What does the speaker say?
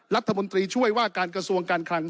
รัฐมนตรีช่วยว่าการกระทรวงการคลัง